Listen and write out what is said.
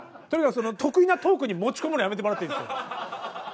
とにかくその得意なトークに持ち込むのやめてもらっていいですか。